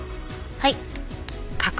はい。